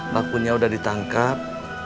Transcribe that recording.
bakunya udah ditangkap